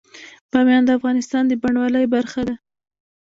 بامیان د افغانستان د بڼوالۍ برخه ده.